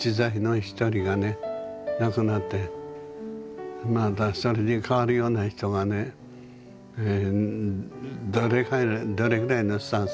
亡くなってまたそれに代わるような人がねどれぐらいのスタンスでね